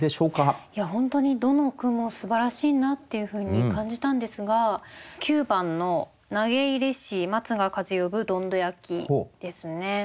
いや本当にどの句もすばらしいなっていうふうに感じたんですが９番の「投げ入れし松が風呼ぶどんど焼き」ですね。